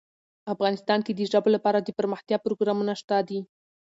افغانستان کې د ژبو لپاره دپرمختیا پروګرامونه شته دي.